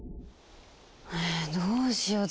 えどうしよう。